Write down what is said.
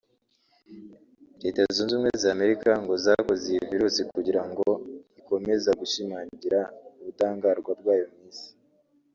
Leta Zunze ubumwe za Amerika ngo zakoze iyi virus kugira ngo ikomeza gushimangira ubudahangarwa bwayo mu Isi